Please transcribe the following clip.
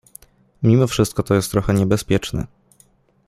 — Mimo wszystko to jest trochę niebezpieczne.